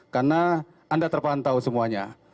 karena anda terpantau semuanya